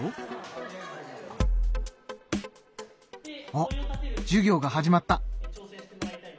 あっ授業が始まった。